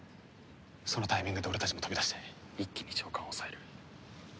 そのタイミングで俺たちも飛び出して一気に長官を押さえる。